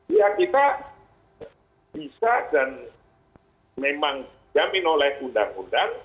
ya kita bisa dan memang dijamin oleh undang undang